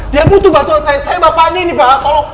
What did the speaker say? dia butuh bantuan saya saya bapaknya ini pak